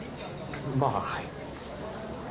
まあはい。